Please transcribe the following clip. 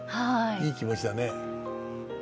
いい気持ちだね。